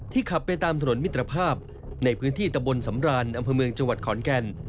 ขับไปตามถนนมิตรภาพในพื้นที่ตะบนสำรานอำเภอเมืองจังหวัดขอนแก่น